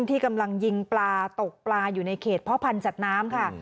ที่กำลังยิงปลาตกปลาอยู่ในเขตพ่อพันธ์สัตว์น้ำค่ะ